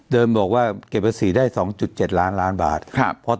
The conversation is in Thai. เดิมบอกว่าเก็บภาษีได้สองจุดเจ็ดล้านล้านบาทครับ